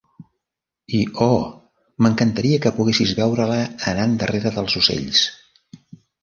I oh, m'encantaria que poguessis veure-la anant darrere dels ocells!